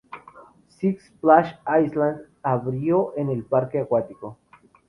Six’s Splash Island abrió en el parque acuático.